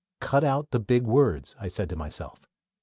"Cut out the big words," I said to myself.